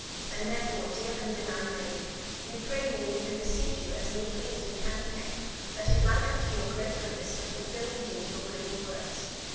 And therefore, dear and benign lady, we pray you and beseech you as meekly as we can and may, that it like unto your great goodness to fulfil in deed your goodly words.